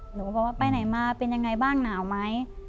หนูก็บอกว่าไปไหนมาเป็นยังไงบ้างหนาวไหม